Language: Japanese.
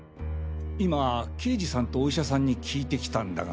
今刑事さんとお医者さんに聞いてきたんだが。